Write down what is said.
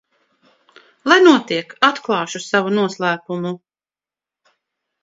Lai notiek, atklāšu savu noslēpumu.